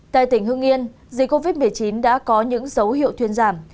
tại tỉnh hưng yên dịch covid một mươi chín đã có những dấu hiệu thuyên giảm